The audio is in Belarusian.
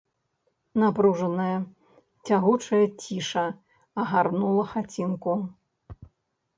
Напружаная, цягучая ціша агарнула хацінку.